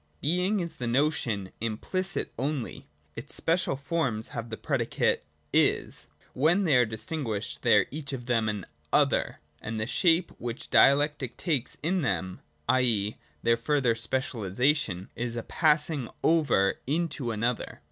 84.] Being is the notion implicit only : its special forms have the predicate ' is '; when they are distin guished they are each of them an 'other': and the shape which dialectic takes in them, i.e. their further speciali sation, is a passing over into another.